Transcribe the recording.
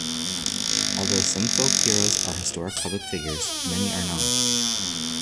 Although some folk heroes are historical public figures, many are not.